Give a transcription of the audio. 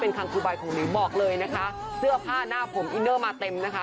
เป็นคังคูใบของหลิวบอกเลยนะคะเสื้อผ้าหน้าผมอินเนอร์มาเต็มนะคะ